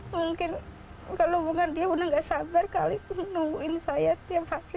mungkin kalau bukan dia udah nggak sabar kalipun nungguin saya tiap hari